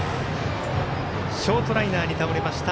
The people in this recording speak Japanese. ショートライナーに倒れました。